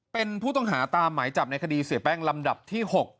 เป็นผู้ต้องหาตามหมายจับในคดีเสียแป้งลำดับที่๖